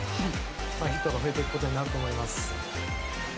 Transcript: ヒットが増えていくことになると思います。